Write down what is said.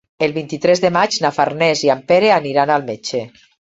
El vint-i-tres de maig na Farners i en Pere aniran al metge.